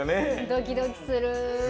ドキドキする。